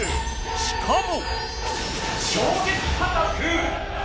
しかも。